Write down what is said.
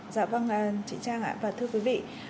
dạ vâng chị trang ạ và thưa quý vị